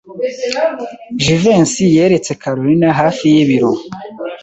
Jivency yeretse Kalorina hafi y'ibiro.